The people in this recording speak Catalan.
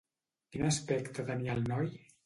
Quin aspecte tenia el noi?